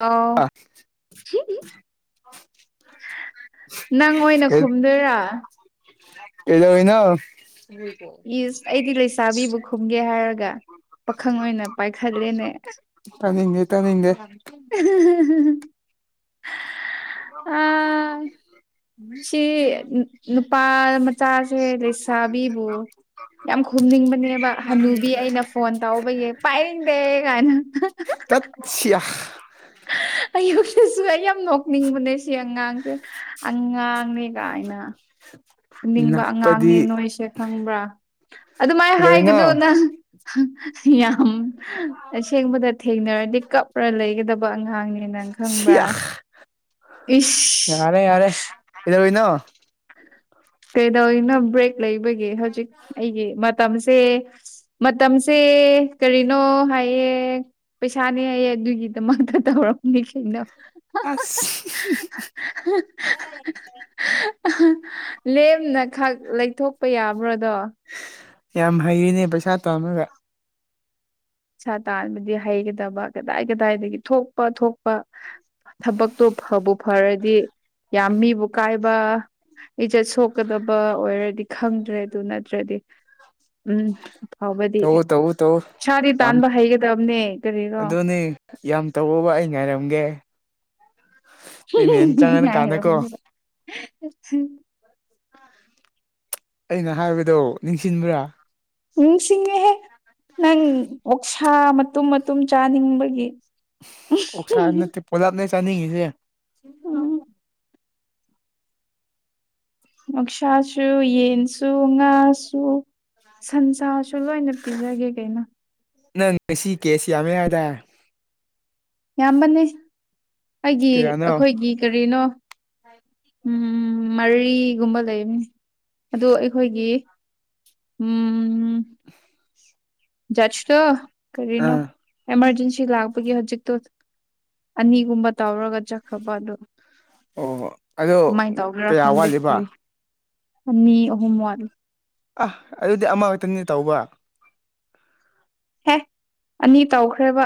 ꯑ ꯁꯤ ꯅꯪ ꯑꯣꯏꯅ ꯈꯨꯝꯗꯣꯏꯔꯥ꯫ ꯑꯦꯂ ꯍꯣꯏꯅ ꯏꯁ ꯑꯩꯗꯤ ꯂꯩꯁꯥꯕꯤꯕꯨ ꯈꯨꯝꯒꯦ ꯍꯥꯏꯔꯒ ꯄꯥꯈꯪ ꯑꯣꯏꯅ ꯄꯥꯏꯈꯠꯂꯦꯅꯦ ꯇꯥꯅꯤꯡꯗꯦ ꯇꯥꯅꯤꯡꯗꯦ [unintelligible] ꯑ [unintelligible] ꯁꯤ ꯅꯨꯄꯥ ꯃꯆꯥꯁꯦ ꯂꯩꯁꯥꯕꯤꯕꯨ ꯌꯥꯝ ꯈꯨꯝꯅꯤꯡꯕꯅꯦꯕ ꯍꯅꯨꯕꯤ ꯑꯩꯅ ꯐꯣꯟ ꯇꯥꯎꯕꯒꯤ ꯄꯥꯏꯅꯤꯡꯗꯦ ꯀꯥꯏꯅ ꯇꯠ ꯁ [inaudible] ꯑꯌꯨꯛꯁꯤꯁꯨ ꯑꯩ ꯌꯥꯝ ꯅꯣꯛꯅꯤꯡꯕꯅꯦ ꯁꯤ ꯑꯉꯥꯡꯁꯦ ꯑꯉꯥꯡꯅꯦ ꯀꯥꯏꯅ [inaudible] ꯐꯅꯤꯡꯕ ꯑꯉꯥꯡꯅꯦ ꯅꯞꯄꯗꯤ ꯅꯣꯏꯁꯦ ꯈꯪꯕ꯭ꯔꯥ ꯑꯗꯨꯃꯥꯏꯅ ꯍꯥꯏꯒꯅꯨ ꯀꯩꯗꯧꯔꯤꯅꯣ ꯅꯪ ꯌꯥꯝ ꯑꯁꯦꯡꯕꯗ ꯊꯦꯡꯅꯔꯗꯤ ꯀꯞꯔ ꯂꯩꯒꯗꯕ ꯑꯉꯥꯡꯅꯦ ꯅꯪ ꯈꯪꯕ꯭ꯔꯥ ꯁꯤꯌꯥ ꯏꯁ ꯌꯥꯔꯦ ꯌꯥꯔꯦ ꯀꯩꯗꯧꯔꯤꯅꯣ꯫ ꯀꯩꯗꯧꯏꯅꯣ ꯕ꯭ꯔꯦꯛ ꯂꯩꯕꯒꯤ ꯍꯧꯖꯤꯛ ꯑꯩꯒꯤ ꯃꯇꯝꯁꯦ ꯃꯇꯝꯁꯦ ꯀꯔꯤꯅꯣ ꯍꯥꯏꯌꯦ ꯄꯩꯁꯥꯅꯦ ꯍꯩꯌꯦ ꯑꯗꯨꯒꯤꯗꯃꯛꯇ ꯇꯧꯔꯛꯄꯅꯤ ꯀꯩꯅꯣ ꯑꯁ [unintelligible] ꯂꯦꯝꯅ ꯈꯛ ꯂꯩꯊꯣꯛꯄ ꯌꯥꯕ꯭ꯔ ꯑꯗꯣ ꯌꯥꯝ ꯍꯩꯔꯤꯅꯦ ꯄꯩꯁꯥ ꯇꯥꯟꯕꯒ ꯄꯩꯩꯁꯥ ꯇꯥꯟꯕꯗꯤ ꯍꯩꯒꯗꯕ ꯀꯗꯥꯏ ꯀꯗꯥꯏꯗꯒꯤ ꯊꯣꯛꯄ ꯊꯣꯛꯄ ꯊꯕꯛꯇꯣ ꯐꯕꯨ ꯐꯔꯗꯤ ꯌꯥꯝ ꯃꯤꯕꯨ ꯀꯥꯏꯕ ꯏꯖꯠ ꯁꯣꯛꯀꯗꯕ ꯑꯣꯏꯔꯗꯤ ꯈꯪꯗ꯭ꯔꯦ ꯑꯗꯨ ꯅꯠꯇ꯭ꯔꯗꯤ ꯎꯝ ꯇꯧꯋꯣ ꯇꯧꯋꯣ ꯇꯧꯋꯣ꯫ ꯄꯩꯁꯥꯗꯤ ꯇꯥꯟꯕ ꯍꯩꯒꯗꯕꯅꯦ ꯀꯔꯤꯔꯣ꯫ ꯑꯗꯨꯅꯦ ꯌꯥꯝ ꯇꯧꯋꯣꯕ ꯑꯩ ꯉꯥꯏꯔꯝꯒꯦ ꯄꯦꯃꯦꯟ ꯆꯪꯉꯀꯥꯟꯗꯀꯣ [unintelligible] ꯑꯩꯅ ꯍꯥꯏꯕꯗꯣ ꯅꯤꯡꯁꯤꯡꯕ꯭ꯔꯥ ꯅꯤꯡꯁꯤꯡꯉꯦꯍꯦ꯫ ꯅꯪ ꯑꯣꯛꯁꯥ ꯃꯇꯨꯝ ꯃꯇꯨꯝ ꯆꯥꯅꯤꯡꯕꯒꯤ ꯑꯣꯛꯁꯥ ꯅꯠꯇꯦ ꯄꯨꯂꯞꯅꯦ ꯆꯥꯅꯤꯡꯉꯤꯁꯦ ꯎꯝ ꯑꯣꯛꯁꯥꯁꯨ ꯌꯦꯟꯁꯨ ꯉꯥꯁꯨ ꯁꯟꯁꯥꯁꯨ ꯂꯣꯏꯅ ꯄꯤꯖꯒꯦ ꯀꯩꯅꯣ꯫ ꯅꯪ ꯉꯁꯤ ꯀꯦꯁ ꯌꯥꯝꯃꯦ ꯍꯥꯏꯗ ꯌꯥꯝꯕꯅꯦ ꯑꯩꯒꯤ ꯀꯌꯥꯅꯣ ꯑꯩꯈꯣꯏꯒꯤ ꯀꯔꯤꯅꯣ ꯎꯝ ꯃꯔꯤꯒꯨꯝꯕ ꯂꯩꯕꯅꯤ ꯑꯗꯨ ꯑꯩꯈꯣꯏꯒꯤ ꯎꯝ ꯖ꯭ꯆꯇꯣ ꯀꯔꯤꯅꯣ ꯑꯥ ꯑꯦꯃꯥꯔꯖꯦꯟꯁꯤ ꯂꯥꯛꯄꯒꯤ ꯍꯧꯖꯤꯛꯇꯣ ꯑꯅꯤꯒꯨꯝꯕ ꯇꯧꯔꯒ ꯆꯠꯈ꯭ꯔꯕ ꯑꯗꯣ ꯑꯣ ꯑꯗꯣ ꯀꯃꯥꯏꯅ ꯇꯧꯒꯦꯔꯥ ꯀꯌꯥ ꯈꯪꯗꯦ ꯋꯥꯠꯂꯤꯕ ꯑꯅꯤ ꯑꯍꯨꯝ ꯋꯥꯠ ꯑꯍ ꯑꯗꯨꯗꯤ ꯑꯃꯈꯛꯇꯅꯤ ꯇꯧꯕ ꯍꯦ ꯑꯅꯤ ꯇꯧꯈ꯭ꯔꯦꯕ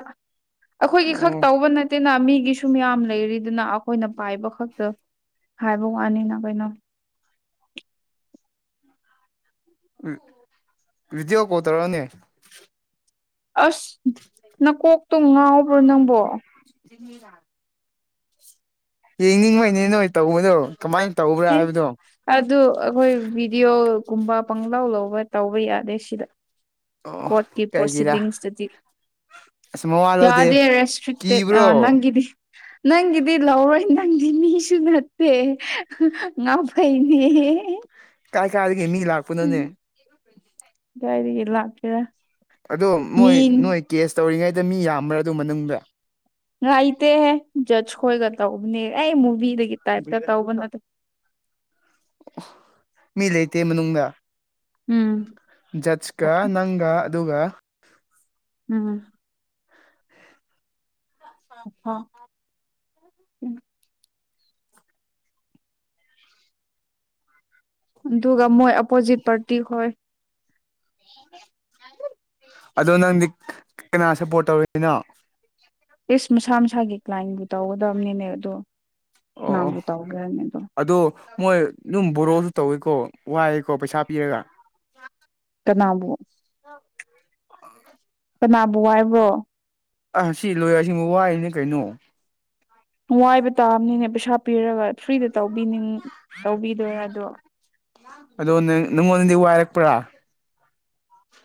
ꯑꯩꯈꯣꯏꯒꯤ ꯈꯛ ꯎꯝ ꯇꯧꯕ ꯅꯠꯇꯦꯅ ꯃꯤꯒꯤꯁꯨ ꯁꯨꯝ ꯃꯌꯥꯝ ꯂꯩꯔꯤꯗꯨꯅ ꯑꯩꯈꯣꯏꯅ ꯄꯥꯏꯕ ꯈꯛꯇ ꯍꯥꯏꯕ ꯋꯥꯅꯤꯅ ꯀꯩꯅꯣ ꯎꯝ ꯕꯤꯗꯤꯑꯣ ꯀꯣꯜ ꯇꯧꯔꯛꯑꯣꯅꯦ꯫ ꯑꯁ ꯅꯀꯣꯛꯇꯣ ꯉꯥꯎꯕ꯭ꯔꯣ ꯅꯪꯕꯣ꯫ [unintelligible] ꯌꯦꯡꯅꯤꯡꯕꯩꯅꯦ ꯅꯣꯏ ꯇꯧꯕꯗꯣ ꯀꯃꯥꯏꯅ ꯇꯧꯕ꯭ꯔꯥ ꯑꯦ ꯍꯥꯏꯕꯗꯣ ꯑꯗꯨ ꯑꯩꯈꯣꯏ ꯚꯤꯗꯤꯌꯑꯣꯒꯨꯝꯕ ꯄꯪꯂꯥꯎ ꯂꯧꯕ ꯇꯧꯕ ꯌꯥꯗꯦ ꯁꯤꯗ ꯑꯣ ꯀꯣꯔꯠꯀꯤ ꯀꯩꯒꯤꯔꯥ ꯄ꯭ꯔꯣꯁꯤꯗꯤꯡꯁꯇꯗꯤ ꯑꯁ ꯃꯋꯥ ꯂꯧꯗꯦ ꯌꯥꯗꯦ ꯔꯦꯁꯇ꯭ꯔꯤꯛꯇꯦꯠ ꯑ ꯀꯤꯕ꯭ꯔꯣ ꯅꯪꯒꯤꯗꯤ ꯅꯪꯒꯤꯗꯤ ꯂꯧꯔꯣꯏ ꯅꯪꯗꯤ ꯃꯤꯁꯨ ꯅꯠꯇꯦ ꯉꯥꯎ [unintelligible] ꯀꯥꯏ ꯀꯥꯏꯗꯒꯤ ꯃꯤ ꯂꯥꯛꯄꯅꯣꯅꯦ꯫ ꯀꯥꯏꯗꯒꯤ ꯂꯥꯛꯀꯦꯔꯥ ꯑꯗꯣ ꯃꯤ ꯃꯣꯏ ꯅꯣꯏ ꯀꯦꯁ ꯇꯧꯔꯤꯉꯩꯗ ꯃꯤ ꯌꯥꯝꯕ꯭ꯔꯥ ꯑꯗꯨ ꯃꯅꯨꯡꯗ ꯉꯥꯏꯇꯦꯍꯦ ꯖ꯭ꯆꯁ ꯈꯣꯏꯒ ꯇꯧꯕꯅꯦ ꯑꯦ ꯃꯨꯚꯤꯗꯒꯤ ꯇꯥꯏꯞꯀ ꯇꯧꯕ ꯅꯠ ꯑꯣ ꯃꯤ ꯂꯩꯇꯦ ꯃꯅꯨꯡꯗ꯫ ꯎꯝ ꯖꯠꯁꯀ ꯅꯪꯒ ꯑꯗꯨꯒ ꯎꯝ ꯑ ꯑꯗꯨꯒ ꯃꯣꯏ ꯑꯄꯣꯖꯤꯠ ꯄꯥꯔꯇꯤ ꯈꯣꯏ ꯑꯗꯣ ꯅꯪꯗꯤ ꯀꯅꯥ ꯁꯞꯄꯣꯔꯠ ꯇꯧꯔꯤꯅꯣ ꯏꯁ ꯃꯁꯥ ꯃꯁꯥꯒꯤ ꯀ꯭ꯂꯥꯏꯟꯕꯨ ꯇꯧꯒꯗꯕꯅꯤꯅꯦ ꯑꯗꯣ ꯑꯣ ꯃꯥꯕꯨ ꯇꯧꯈ꯭ꯔꯅꯤ ꯑꯗꯣ ꯑꯗꯣ ꯃꯣꯏ ꯑꯗꯨꯝ ꯕꯣꯔꯣꯁꯨ ꯇꯧꯏꯤꯀꯣ ꯋꯥꯏꯑꯦꯀꯣ ꯄꯩꯁꯥ ꯄꯤꯔꯒ ꯀꯅꯥꯕꯨ ꯑ ꯀꯅꯥꯕꯨ ꯍꯥꯏꯕ꯭ꯔꯣ ꯑ ꯁꯤ ꯂꯣꯏꯔ ꯑꯁꯤꯕ ꯋꯥꯏꯅꯦ ꯀꯩꯅꯣ ꯋꯥꯏꯕ ꯇꯥꯕꯅꯤꯅꯦ ꯄꯩꯁꯥ ꯄꯤꯔꯒ ꯐ꯭ꯔꯤꯗ ꯇꯧꯕꯤꯅꯤꯡ ꯇꯧꯕꯤꯗꯣꯏꯔ ꯑꯗꯣ ꯑꯗꯣ ꯅꯪꯉꯣꯟꯗꯗꯤ ꯋꯥꯏꯔꯛꯄ꯭ꯔꯥ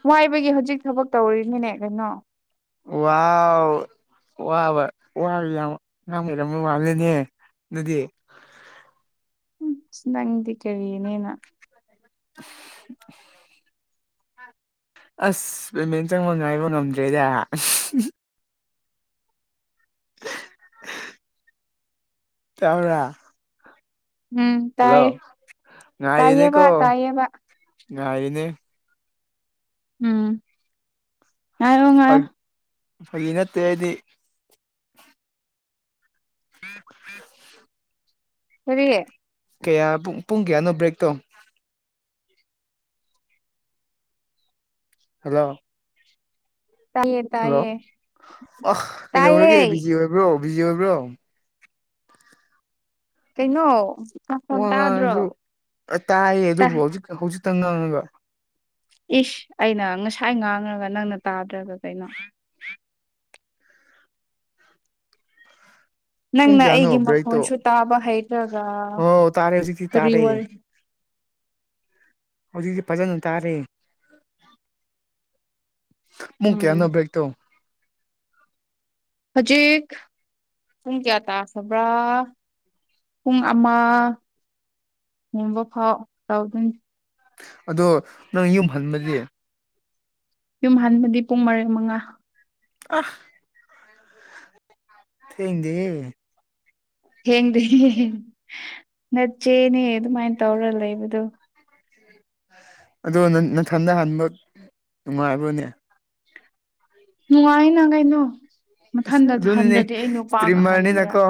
ꯋꯥꯏꯕꯒꯤ ꯍꯧꯖꯤꯛ ꯊꯕꯛ ꯇꯧꯔꯤꯅꯤꯅꯦ ꯀꯩꯅꯣ ꯋꯥꯎ ꯋꯥꯕ ꯋꯥꯕ ꯌꯥꯝ ꯉꯥꯡ ꯑꯣꯏꯔꯝꯕ ꯋꯥꯅꯅꯦ ꯑꯗꯨꯗꯤ ꯎꯝ ꯅꯪꯗꯤ ꯀꯔꯤ ꯅꯦꯅꯥ [unintelligible] [inaudible] ꯑꯁ ꯄꯦꯃꯦꯟ ꯆꯪꯕ ꯉꯥꯏꯕ ꯉꯝꯗ꯭ꯔꯦꯗ ꯇꯥꯕꯔꯥ ꯎꯝ ꯍꯜꯂꯣ ꯇꯥꯏꯌꯦ ꯉꯥꯥꯏꯔꯤꯅꯦ ꯇꯥꯏꯌꯦꯕ ꯀꯣ ꯇꯥꯏꯌꯦꯕ ꯉꯥꯏꯔꯤꯅꯦ ꯎꯝ ꯉꯥꯏꯌꯣ ꯉꯥꯏꯌꯣ ꯐꯒꯤ ꯅꯠꯇꯦ ꯑꯩꯗꯤ [unintelligible] ꯀꯔꯤ ꯀꯌꯥ ꯄꯨꯡ ꯀꯌꯥꯅꯣ ꯕ꯭ꯔꯦꯛꯇꯣ ꯍꯜꯂꯣ ꯇꯥꯏꯌꯦ ꯍꯜꯂꯣ ꯇꯥꯏꯌꯦ ꯑ ꯇꯥꯏꯌꯦ ꯀꯩꯗꯧꯔꯒꯦ ꯕꯤꯖꯤ ꯑꯣꯏꯕ꯭ꯔꯣ ꯕꯤꯖꯤ ꯑꯣꯏꯕ꯭ꯔꯣ ꯀꯩꯅꯣ ꯅꯈꯣꯟ ꯋꯥ ꯇꯥꯗ꯭ꯔꯣ ꯉꯥꯡꯉꯁꯨ ꯇꯥꯏꯌꯦ ꯇꯥ ꯑꯗꯨꯕꯨ ꯍꯧꯖꯤꯛ ꯍꯧꯖꯤꯛꯇ ꯉꯥꯡꯉꯒ ꯏꯁ ꯑꯩꯅ ꯉꯁꯥꯏ ꯉꯥꯡꯉꯒ ꯅꯪꯅ ꯇꯥꯗ꯭ꯔꯒ ꯀꯩꯅꯣ ꯄꯨꯡ ꯅꯪꯅ ꯀꯌꯥꯅꯣ ꯑꯩꯒꯤ ꯕ꯭ꯔꯦꯛꯇꯣ ꯃꯈꯣꯟꯁꯨ ꯇꯥꯕ ꯍꯩꯇ꯭ꯔꯒ ꯑꯣ ꯇꯥꯔꯦ ꯍꯧꯖꯤꯛꯇꯤ ꯀꯔꯤ ꯇꯥꯔꯦ ꯋꯥꯔꯤ ꯍꯧꯖꯤꯛꯇꯤ ꯐꯖꯅ ꯇꯥꯔꯦ ꯃꯨ ꯎꯝ ꯀꯌꯥꯅꯣ ꯕ꯭ꯔꯦꯛ ꯇꯧ ꯍꯧꯖꯤꯦ ꯄꯨꯡ ꯀꯌꯥ ꯇꯥꯈꯕ꯭ꯔꯥ ꯄꯨꯡ ꯑꯃ ꯌꯦꯡꯕ ꯐꯥꯎ ꯇꯧꯗꯣꯏꯅꯦ ꯑꯗꯣ ꯅꯪ ꯌꯨꯝ ꯍꯟꯕꯗꯤ ꯌꯨꯝ ꯍꯕꯗꯤ ꯄꯨꯡ ꯃꯔꯤ ꯃꯉꯥ ꯑꯍ ꯊꯦꯡꯗꯦꯍꯦ ꯊꯦꯡꯗꯦꯍꯦ ꯅꯠꯆꯦꯅꯦ ꯑꯗꯨꯃꯥꯏꯅ ꯇꯧꯔ ꯂꯩꯕꯗꯣ ꯑꯗꯣ ꯅꯊꯟꯗ ꯍꯟꯕ ꯅꯨꯡꯉꯥꯏꯕ꯭ꯔꯅꯦ ꯅꯨꯡꯉꯥꯏꯅ ꯀꯩꯅꯣ ꯃꯊꯟꯗ ꯑꯁ ꯑꯗꯨꯅꯤꯅꯦ ꯍꯟꯗꯗꯤ ꯑꯩ ꯅꯨꯄꯥꯒ ꯍꯟꯒꯦꯔꯥ ꯏꯁꯇ꯭ꯔꯤꯃꯔꯅꯤꯅꯀꯣ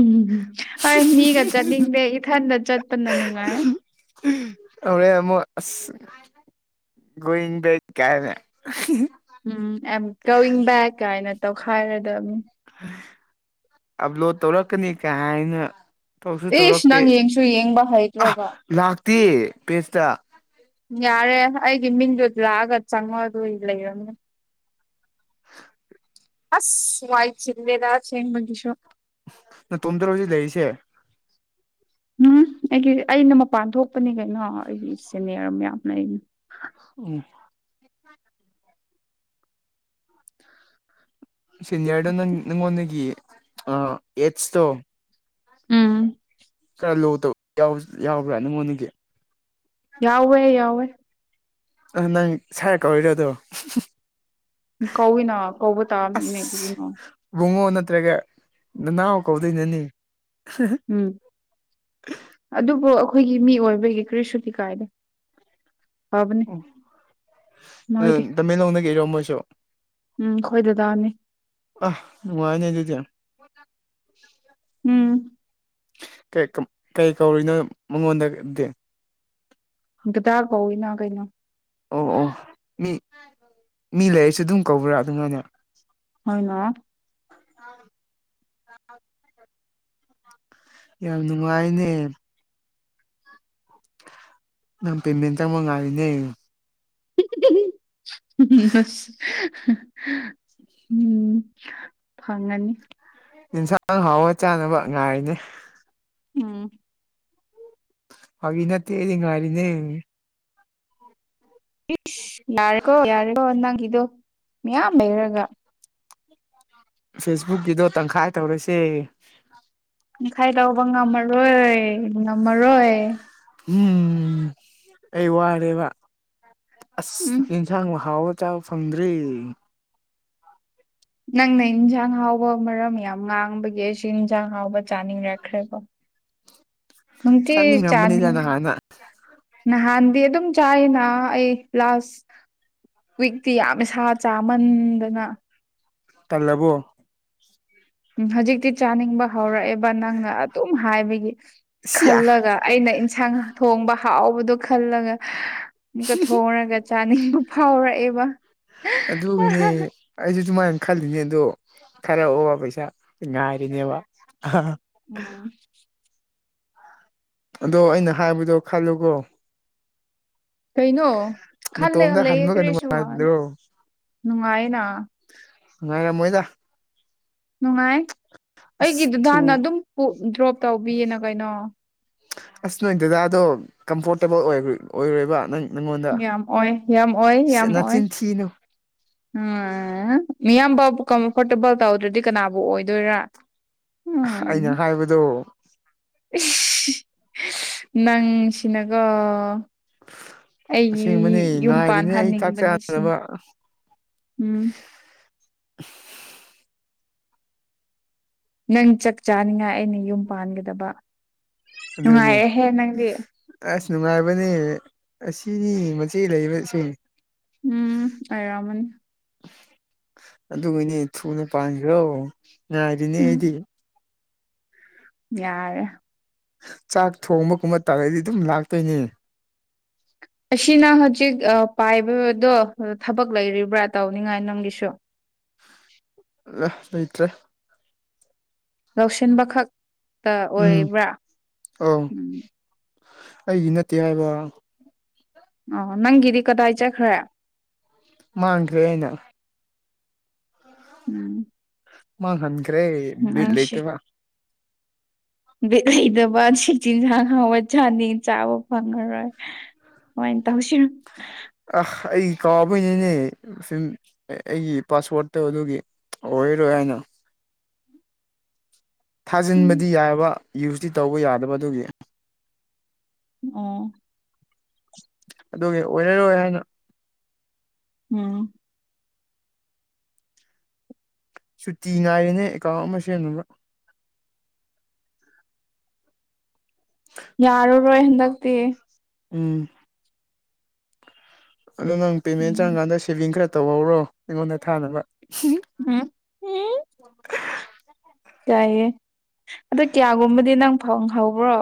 ꯎꯝ ꯍꯣꯏ ꯃꯤꯒ ꯆꯠꯅꯤꯡꯗꯦ ꯏꯊꯟꯗ ꯆꯠꯄꯅ ꯅꯨꯡꯉꯥꯏ ꯇꯧꯔꯛꯑꯦ ꯑꯃꯨꯛ ꯑꯁ ꯒ꯭ꯔꯤꯟ ꯕꯦꯠ ꯀꯥꯏꯅ ꯎꯝ ꯑ ꯑꯦꯝ ꯀꯣꯋꯤꯡ ꯕꯦꯛ ꯀꯥꯏꯅ ꯇꯧꯈꯥꯏꯔꯗꯕꯅꯤ ꯑꯞꯂꯣꯗ ꯇꯧꯔꯛꯀꯅꯤ ꯀꯍꯥꯏꯅ ꯇꯧꯁꯨ ꯏꯁ ꯇꯧꯔꯛꯇꯦ ꯅꯪ ꯌꯦꯡꯁꯨ ꯌꯦꯡꯕ ꯑ ꯍꯩꯇ꯭ꯔꯒ ꯂꯥꯛꯇꯦ ꯄꯦꯁꯇ ꯌꯥꯔꯦ ꯑꯩꯒꯤ ꯃꯤꯡꯗꯨ ꯂꯥꯛꯑꯒ ꯆꯪꯉꯣ ꯑꯗꯨ ꯂꯩꯔꯝꯅꯤ ꯑꯁ ꯋꯥꯏ ꯆꯂꯦꯗ ꯆꯦꯡꯉ ꯃꯒꯁꯨꯣ ꯅꯇꯣꯝꯇ꯭ꯔꯣ ꯍꯧꯖꯤꯛ ꯂꯩꯔꯤꯁꯦ꯫ ꯎꯝ ꯑꯩꯒꯤ ꯑꯩꯅ ꯃꯄꯥꯟ ꯊꯣꯛꯄꯅꯤ ꯀꯩꯅꯣ ꯑꯩꯒꯤ ꯁꯦꯅꯤꯌꯔ ꯃꯌꯥꯝꯅ ꯑꯩꯅ ꯎꯝ ꯁꯤꯅꯤꯌꯔꯗꯣ ꯅꯪ ꯅꯪꯉꯣꯟꯗꯒꯤ ꯑꯥ ꯑꯦꯠꯁꯇꯣ ꯎꯝ ꯈꯔ ꯂꯨꯕ ꯌꯥꯎꯕ꯭ꯔꯥ ꯅꯉꯣꯟꯒꯤ ꯌꯥꯎꯋꯦ ꯌꯥꯎꯋꯦ ꯑ ꯅꯪ ꯁꯥꯔ ꯀꯧꯔꯤꯔ ꯑꯗꯣ ꯀꯧꯏꯅ ꯀꯧꯕ ꯇꯥꯕꯃꯤꯅꯦ ꯑꯁ ꯀꯅꯣ ꯕꯨꯡꯉꯣ ꯅꯠꯇ꯭ꯔꯒ ꯅꯅꯥꯎ ꯀꯧꯗꯣꯏꯅꯅꯤ ꯎꯝ ꯑꯗꯨꯕꯨ ꯑꯩꯈꯣꯏꯒꯤ ꯃꯤ ꯑꯣꯏꯕꯒꯤ ꯀ꯭ꯔꯤ ꯁꯨꯇꯤ ꯀꯥꯏꯗ ꯐꯥꯕꯅꯤ ꯃꯣꯏꯗꯤ ꯇꯃꯦꯡꯂꯣꯡꯗꯒꯤ ꯏꯔꯣ ꯃꯣꯏꯁꯨ ꯎꯝ ꯈꯣꯏꯗ ꯇꯅꯤ ꯑ ꯃꯉꯅꯦꯟ ꯆꯇ ꯎꯝ ꯀꯩ ꯀꯧꯔꯤꯅꯣ ꯃꯉꯣꯟꯗ ꯗꯥ ꯄꯧꯅ ꯀꯩꯅꯣ ꯑꯣ ꯑꯣ ꯃꯤ ꯃꯤ ꯂꯩꯔꯁꯨ ꯑꯗꯨꯝ ꯀꯧꯕ꯭ꯔꯥ ꯑꯗꯨꯅꯥꯏꯅꯦ ꯍꯅ ꯌꯥꯝ ꯅꯨꯡꯉꯥꯏꯅꯦ ꯅꯪ ꯄꯦꯃꯦꯟ ꯇꯉꯃꯪꯅꯦ ꯎ ꯑꯁ ꯎ ꯎꯝ ꯐꯪꯉꯅꯤ ꯌꯦꯟꯁꯥꯡ ꯍꯥꯎꯋ ꯆꯥꯅꯕ ꯉꯥꯏꯔꯤꯅꯦ ꯎꯝ ꯑꯅꯠꯇꯔꯤ ꯉꯔꯤꯅꯦ ꯌꯥꯔꯦꯀꯣ ꯌꯥꯔꯦꯀꯣ ꯅꯪꯗꯨ ꯃꯌꯥꯝ ꯂꯩꯔꯒ ꯐꯦꯁꯕꯨꯛꯀꯤꯗꯣ ꯇꯪꯈꯥꯏ ꯇꯧꯔꯁꯦ ꯇꯪꯈꯥꯏ ꯂꯧꯕ ꯉꯝꯃꯔꯣꯏ ꯉꯝꯃꯔꯣꯏ ꯎꯝ ꯑꯩ ꯋꯥꯔꯦꯕ ꯑꯁ ꯎꯝ ꯌꯦꯟꯁꯥꯡ ꯍꯥꯎꯕ ꯁꯇꯥꯥꯎꯐ ꯐ꯭ꯔꯤ ꯅꯪꯅ ꯏꯟꯁꯥꯡ ꯍꯥꯎꯕ ꯃꯔꯝ ꯌꯥꯝ ꯉꯥꯡꯕꯒꯤ ꯑꯩꯁꯨ ꯏꯟꯖꯥꯡ ꯍꯥꯎꯕ ꯆꯥꯅꯤꯡꯔꯛꯈ꯭ꯔꯦꯕꯣ꯫ ꯃꯪꯇ ꯆꯥ ꯆꯥꯅꯤꯡꯔꯝꯕꯅꯤꯗ ꯅꯍꯥꯟꯅ ꯅꯍꯥꯟꯗꯤ ꯑꯗꯨꯝ ꯆꯥꯏꯅ ꯑꯩ ꯂꯥꯁ ꯋꯤꯛꯇꯤ ꯌꯥꯝ ꯏꯁ ꯏꯁꯥ ꯆꯥꯃꯟꯗꯅ ꯇꯜꯂꯕꯣ ꯝ ꯍꯧꯖꯤꯛꯇꯤ ꯆꯥꯅꯤꯡꯕ ꯍꯧꯔꯛꯑꯦꯕ ꯅꯪꯅ ꯑꯗꯨꯝ ꯍꯥꯏꯕꯒꯤ ꯁꯤꯌꯥ ꯈꯜꯂꯒ ꯑꯩꯅ ꯏꯟꯁꯥꯡ ꯊꯣꯡꯕ ꯍꯥꯎꯕꯗꯣ ꯈꯜꯂꯒ ꯑꯃꯨꯛꯀ ꯊꯣꯡꯔꯒ ꯆꯥꯅꯤꯡꯕ ꯐꯥꯎꯔꯛꯑꯦꯕ ꯑꯗꯨꯒꯤꯅꯦ ꯑꯩꯁꯨ ꯁꯨꯃꯥꯏꯅ ꯈꯜꯂꯤꯅꯦ ꯑꯗꯣ ꯈꯔ ꯑꯣꯕ ꯄꯩꯁꯥ ꯉꯥꯏꯔꯤꯅꯦꯕ ꯎꯝ ꯑꯗꯣ ꯑꯩꯅ ꯍꯥꯏꯕꯗꯣ ꯈꯜꯂꯨꯒꯣ ꯀꯩꯅꯣ ꯈꯜꯂꯦ ꯅꯇꯣꯝꯗ ꯈꯜꯂꯦ ꯍꯟꯕꯒ ꯀ꯭ꯔꯦꯁꯨ ꯅꯨꯡꯉꯥꯏꯗ꯭ꯔꯣ ꯅꯨꯡꯉꯥꯏꯅ ꯉ ꯃꯣꯏꯗ ꯅꯨꯡꯉꯥꯏ ꯑꯁ ꯑꯩꯒꯤꯗꯨꯗꯥꯥ ꯍꯥꯟꯅ ꯊꯨ ꯑꯗꯨꯝ ꯗ꯭ꯔꯣꯞ ꯇꯧꯕꯤꯌꯦꯅ ꯀꯩꯅꯣ ꯑꯁ ꯅꯣꯏ ꯗꯗꯥꯗꯣ ꯀꯝꯐꯣꯔꯇꯦꯕꯜ ꯑꯣꯏꯔꯣꯏꯕ ꯅꯪ ꯅꯪꯉꯣꯟꯗ ꯌꯥꯝ ꯑꯣꯏ ꯌꯥꯝ ꯑꯣꯏ ꯌꯥꯝ ꯑꯣꯏ ꯅꯆꯤꯟ ꯊꯤꯅꯨ ꯎꯝ ꯃꯤꯌꯥꯝꯕ ꯀꯝꯐꯣꯔꯇꯦꯕꯜ ꯇꯧꯗ꯭ꯔꯗꯤ ꯀꯅꯥꯕꯨ ꯑꯣꯏꯗꯣꯏꯔꯥ ꯎ ꯑꯩꯅ ꯍꯥꯏꯕꯗꯣ ꯅꯪꯁꯤꯅꯀꯣ ꯑꯩꯒꯤ ꯑꯁꯦꯡꯕꯅꯦ ꯌꯨꯝ ꯉꯥꯏꯔꯤꯅꯦ ꯑꯩ ꯆꯥꯛ ꯄꯥꯟꯍꯟꯅꯤꯡꯕꯅꯤ ꯁꯤꯅ ꯆꯥꯅꯕ ꯎꯝ ꯅꯪ ꯆꯥꯛ ꯆꯥꯅꯤꯡꯉꯥꯏ ꯑꯩꯅ ꯌꯨꯝ ꯄꯥꯟꯒꯗꯕ ꯑꯗꯨꯅꯤ ꯅꯨꯡꯉꯥꯏꯔꯦꯍꯦ ꯅꯪꯗꯤ ꯑꯁ ꯅꯨꯡꯉꯥꯏꯕꯅꯦ ꯑꯁꯤꯅꯤ ꯃꯆꯦ ꯂꯩꯕꯁꯤ ꯎꯝ ꯑꯔꯃꯅꯤ ꯑꯗꯨꯒꯤꯅꯦ ꯊꯨꯅ ꯄꯥꯟꯈꯣ ꯉꯥꯏꯔꯤꯅꯦ ꯎꯝ ꯑꯩꯗꯤ꯫ ꯌꯥꯔꯦ ꯆꯥꯛ ꯊꯣꯡꯕꯒꯨꯝꯕ ꯇꯥꯔꯒꯗꯤ ꯑꯗꯨꯝ ꯂꯥꯛꯇꯣꯏꯅꯦ꯫ ꯑꯁꯤꯅ ꯍꯧꯖꯤꯛ ꯄꯥꯏꯕꯗꯣ ꯊꯕꯛ ꯂꯩꯔꯤꯕ꯭ꯔꯥ ꯇꯧꯅꯤꯡꯉꯥꯏ ꯅꯪꯒꯤꯁꯨ ꯑ ꯂꯩꯇ꯭ꯔꯦ꯫ ꯂꯧꯁꯤꯟꯕꯈꯛ ꯎꯝ ꯑꯧ ꯎꯝ ꯑꯩꯒꯤ ꯅꯠꯇꯦ ꯍꯥꯏꯕ꯫ ꯑꯣ ꯅꯪꯒꯤꯗꯤ ꯀꯗꯥꯏ ꯆꯠꯈ꯭ꯔꯦ ꯃꯥꯡꯈ꯭ꯔꯦ ꯍꯥꯏꯅ ꯎꯝ꯫ ꯃꯥꯍꯟꯈ꯭ꯔꯦ ꯕꯤꯠ ꯅꯪꯁꯤ ꯂꯩꯇꯕ꯫ ꯕꯤꯠ ꯂꯩꯇꯕ [unintelligible] ꯑꯍꯤꯎꯕ ꯆꯥꯅꯤꯡ ꯆꯥꯕ ꯐꯪꯉꯔꯣꯏ꯫ ꯀꯃꯥꯏꯅ ꯇꯧꯁꯤꯅꯨ ꯑ ꯑꯩ ꯀꯥꯎꯕꯩꯅꯤꯅꯦ ꯁꯨꯝ ꯑꯩꯒꯤ ꯄꯥꯁꯋ꯭ꯔꯥꯠꯇꯣ ꯑꯗꯨꯒꯤ꯫ ꯑꯣꯏ ꯑꯣꯏꯔꯣꯏ ꯌꯥꯅ ꯎꯝ ꯊꯥꯖꯤꯟꯕꯗꯤ ꯌꯥꯕ ꯌꯨꯁꯇꯤ ꯇꯧꯕ ꯌꯥꯗꯕ ꯑꯗꯨꯒꯤ ꯑꯣ ꯑꯗꯨꯒꯤ ꯑꯣꯏꯔꯔꯣꯏ ꯍꯥꯏꯅ ꯎꯝ ꯁꯨꯇꯤ ꯉꯥꯏꯔꯤꯅꯦ ꯑꯦꯀꯥꯎꯟ ꯑꯃ ꯁꯦꯝꯅꯕ꯫ ꯌꯥꯔꯔꯣꯏ ꯍꯟꯗꯛꯇꯤ꯫ ꯎꯝ꯫ ꯑꯗꯣ ꯅꯪ ꯄꯦꯃꯦꯟ ꯎꯝ ꯆꯪꯉꯀꯥꯟꯗ ꯁꯦꯚꯤꯡ ꯈꯔ ꯇꯧꯍꯧꯔꯣ ꯑꯩꯉꯣꯟꯗ ꯊꯥꯅꯕ [unintelligible] [unintelligible] ꯎꯝ ꯌꯥꯏꯌꯦ ꯑꯗꯨ ꯀꯌꯥꯒꯨꯝꯕꯗꯤ ꯅꯪ ꯐꯪꯍꯧꯕ꯭ꯔꯣ꯫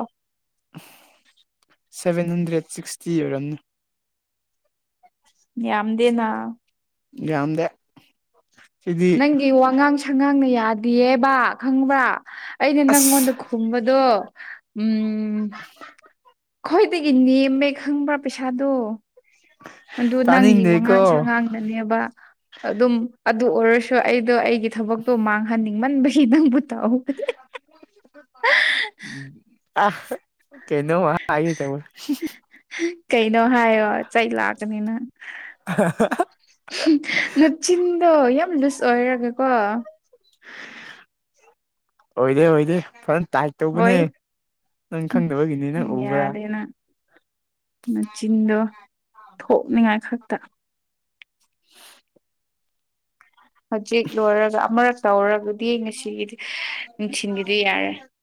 ꯁꯚꯦꯟ ꯍꯟꯗ꯭ꯔꯦꯠ ꯁꯤꯛꯁꯇꯤ ꯑꯣꯏꯔꯝꯅꯤ ꯌꯥꯝꯗꯦꯅ ꯌꯥꯗ ꯅꯪꯒꯤ ꯋꯥꯉꯥꯡ ꯁꯉꯥꯡꯅ ꯌꯥꯗꯌꯦꯕꯥ ꯈꯪꯕ꯭ꯔꯥ ꯑꯩꯅ ꯑꯁ ꯅꯪꯉꯣꯟꯗ ꯈꯨ ꯀꯕꯗꯨ ꯎꯝ ꯑꯩ ꯈꯈꯣꯏꯗꯒꯤ ꯅꯦꯝꯃꯦ ꯈꯪꯕ꯭ꯔꯥ ꯄꯩꯁꯥꯗꯣ ꯑꯗꯨ ꯅꯪꯒꯤ ꯋꯥꯉꯥꯡ ꯇꯥꯅꯤꯡꯗꯦꯀꯣ ꯁꯉꯥꯡꯗꯅꯦꯕ ꯑꯗꯨꯝ ꯑꯗꯨ ꯑꯣꯏꯔꯁꯨ ꯑꯩꯗꯣ ꯑꯩꯒꯤ ꯊꯕꯛꯇꯣ ꯃꯥꯡꯍꯟꯅꯤꯡꯃꯟꯕꯒꯤ ꯅꯪꯕꯨ ꯇꯧꯍꯒꯅꯤ ꯑ ꯀꯅꯣ ꯋꯥ ꯍꯥꯏ ꯇ ꯀꯩꯅꯣ ꯍꯥꯏꯌꯣ ꯆꯩ ꯂꯥꯛꯀꯅꯤꯅ ꯑ ꯅꯆꯤꯟꯗꯣ ꯌꯥꯝ ꯂꯨꯁ ꯑꯣꯏꯔꯒꯦꯀꯣ ꯑꯣꯏꯗꯦ ꯑꯣꯏꯗꯦ ꯐꯖꯅ ꯇꯥꯏꯠ ꯇꯧꯕꯅꯦ ꯍꯣꯏ ꯅꯪ ꯈꯪꯗꯕꯒꯤꯅꯤ ꯅꯪ ꯎꯕ꯭ꯔꯥ ꯃꯆꯤꯟꯗꯣ ꯊꯣꯛꯅꯤꯡꯉꯥꯏ ꯈꯛꯇ [inaudible] ꯍꯧꯖꯤꯛ ꯂꯣꯏꯔꯒ ꯑꯃꯨꯔꯛꯛꯇꯧꯔꯒꯗꯤ ꯉꯁꯤꯒꯤꯗꯤ ꯅꯤꯡꯅꯨꯡꯁꯤꯟꯒꯤꯗꯤ ꯌꯥꯔꯦ